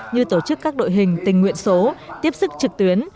như tổ chức các đội hình tình nguyện số tiếp sức trực tuyến